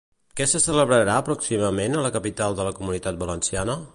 Què se celebrarà pròximament a la capital de la Comunitat Valenciana?